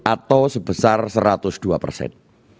atau sebesar satu ratus dua persen